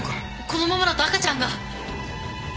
このままだと赤ちゃんが。